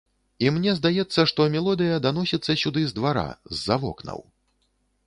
І мне здаецца, што мелодыя даносіцца сюды з двара, з-за вокнаў.